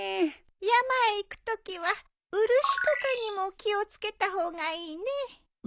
山へ行くときは漆とかにも気を付けた方がいいね。